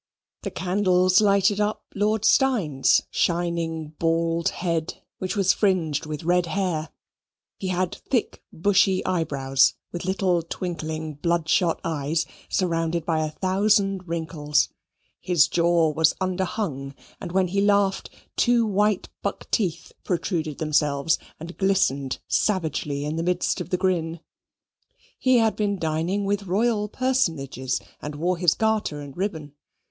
The candles lighted up Lord Steyne's shining bald head, which was fringed with red hair. He had thick bushy eyebrows, with little twinkling bloodshot eyes, surrounded by a thousand wrinkles. His jaw was underhung, and when he laughed, two white buck teeth protruded themselves and glistened savagely in the midst of the grin. He had been dining with royal personages, and wore his garter and ribbon.